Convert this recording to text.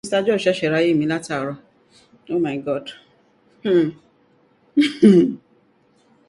You can do this by changing the Gradle version in your build.gradle file.